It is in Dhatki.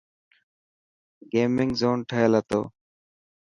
گيمنگ زون ٺهيل هتو.